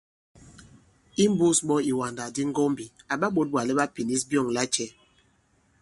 Imbūs ɓɔ̄ ìwàndàkdi ŋgɔ̄mbī, àɓa ɓǒt bwàlɛ ɓa pinīs byɔ̂ŋ lacɛ̄ ?